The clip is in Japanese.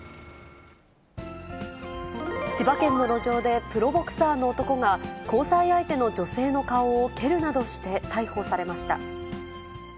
千葉県の路上でプロボクサーの男が、交際相手の女性の顔を蹴るなどして逮捕されました。